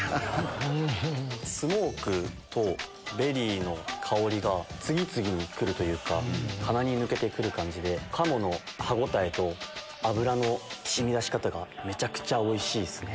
スモークとベリーの香りが次々に来るというか鼻に抜けて来る感じで鴨の歯応えと脂の染み出し方がめちゃくちゃおいしいですね。